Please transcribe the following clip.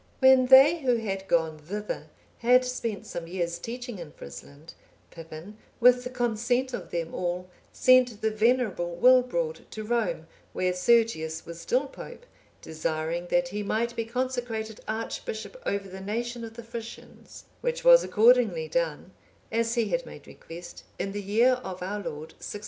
When they who had gone thither had spent some years teaching in Frisland, Pippin, with the consent of them all, sent the venerable Wilbrord to Rome, where Sergius was still pope, desiring that he might be consecrated archbishop over the nation of the Frisians; which was accordingly done, as he had made request, in the year of our Lord 696.